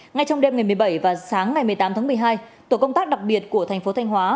ngay trong đêm ngày một mươi bảy và sáng ngày một mươi tám tháng một mươi hai tổ công tác đặc biệt của thành phố thanh hóa